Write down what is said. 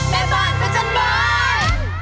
แม่บ้านประจำบาน